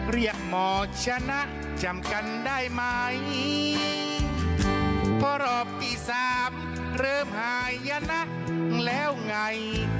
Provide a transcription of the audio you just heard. เรียกหมอชนะจำกันได้ไหมเพราะรอบที่สามเริ่มหายยนะแล้วไง